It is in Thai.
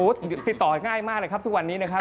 ติดต่อง่ายมากเลยครับทุกวันนี้นะครับ